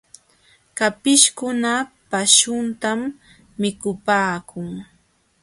Kapishkuna paśhuntam mikupaakun.